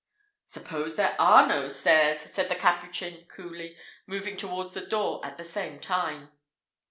"Suppose there are no stairs?" said the Capuchin, coolly, moving towards the door at the same time.